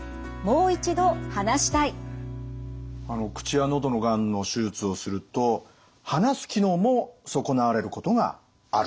口や喉のがんの手術をすると話す機能も損なわれることがあると。